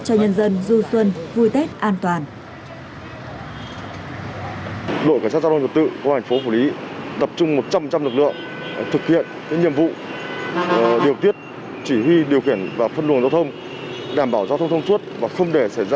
cho nhân dân du xuân vui tết an toàn